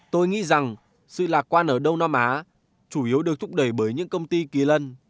tôi nghĩ rằng sự lạc quan ở đông nam á chủ yếu được thúc đẩy bởi những công ty kỳ lân